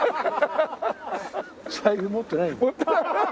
財布持ってない。